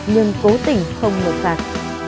nhưng cố tình không ngộ phạt